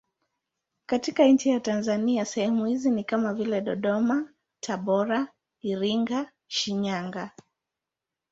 Katika nchi ya Tanzania sehemu hizo ni kama vile Dodoma, Tabora, Iringa, Shinyanga.